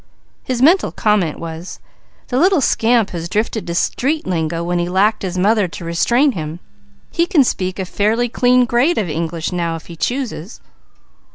His mental comment was: "The little scamp has drifted to street lingo when he lacked his mother to restrain him. He can speak a fairly clean grade of English now if he chooses."